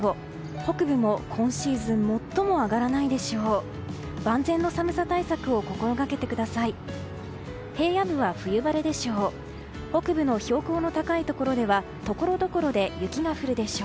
北部も今シーズン最も上がらないでしょう。